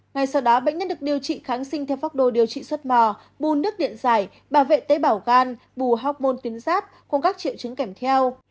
ngày sau đó bệnh nhân được điều trị kháng sinh theo pháp đồ điều trị suốt mò bù nước điện giải bảo vệ tế bảo gan bù hormôn tuyến giáp cùng các triệu chứng kèm theo